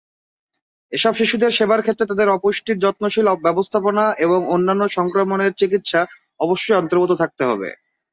এসব শিশুদের সেবার ক্ষেত্রে তাদের অপুষ্টির যত্নশীল ব্যবস্থাপনা এবং অন্যান্য সংক্রমণের চিকিৎসা অবশ্যই অন্তর্ভুক্ত থাকতে হবে।